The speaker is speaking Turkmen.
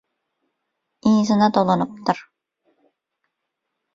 yzyna dolanypdyr.